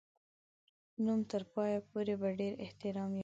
نوم تر پایه پوري په ډېر احترام یادوي.